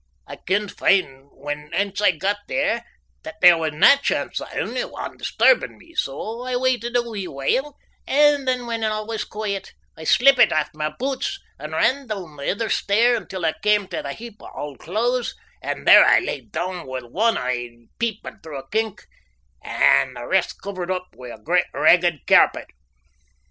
I kenned fine when ance I got there that there was na chance o' ony ane disturbin' me, so I waited a wee while, and then when a' was quiet, I slippit aff my boots and ran doon the ither stair until I cam tae the heap o' auld clothes, and there I lay doon wi' ane e'e peepin' through a kink and a' the rest covered up wi' a great, ragged cairpet.